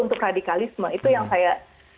untuk radikalisme itu yang saya